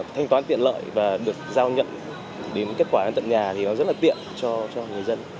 thanh toán tiện lợi và được giao nhận đến kết quả đến tận nhà thì nó rất là tiện cho người dân